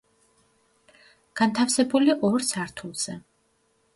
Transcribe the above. განთავსებული ორ სართულზე.